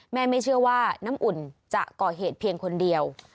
ไม่เชื่อว่าน้ำอุ่นจะก่อเหตุเพียงคนเดียว